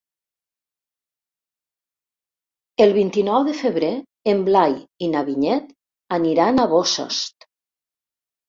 El vint-i-nou de febrer en Blai i na Vinyet aniran a Bossòst.